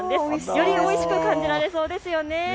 よりおいしく感じられそうですよね。